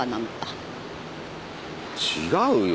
違うよ。